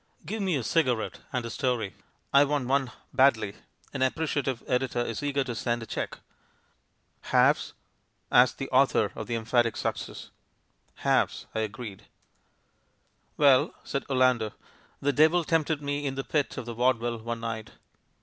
"Give me a cigarette and tlie story — I want one badly; an appreciative editor is eager to send a cheque." "Halves?" asked the author of the "emphatic success." "Halves," I agreed. 52 THE MAN WHO UNDERSTOOD WOMEN "Well," said Orlando, "the devil tempted me in the pit of the Vaudeville one night.